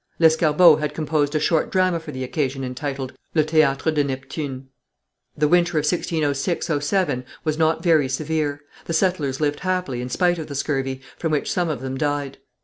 Lescarbot had composed a short drama for the occasion, entitled, Le Théâtre de Neptune. The winter of 1606 07 was not very severe. The settlers lived happily in spite of the scurvy, from which some of them died.